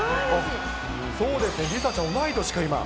そうです、梨紗ちゃん、同い年か、今。